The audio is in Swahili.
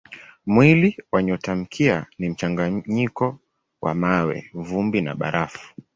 Mwili wa nyotamkia ni mchanganyiko wa mawe, vumbi na barafu.